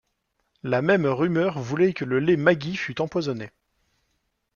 La même rumeur voulait que le lait Maggi fût empoisonné.